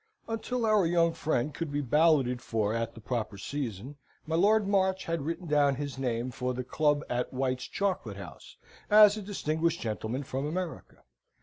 Until our young friend could be balloted for at the proper season, my Lord March had written down his name for the club at White's Chocolate House, as a distinguished gentleman from America.